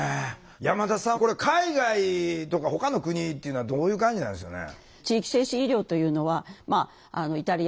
山田さんこれ海外とかほかの国っていうのはどういう感じなんでしょうね？